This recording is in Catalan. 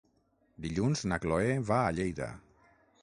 Dilluns na Chloé va a Lleida.